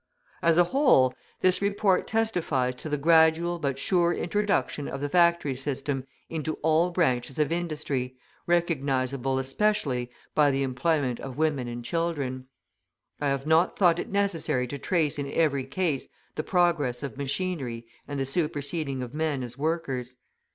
As a whole, this report testifies to the gradual but sure introduction of the factory system into all branches of industry, recognisable especially by the employment of women and children. I have not thought it necessary to trace in every case the progress of machinery and the superseding of men as workers.